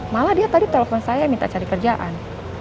malah dia tadi telepon saya minta cari kerjaan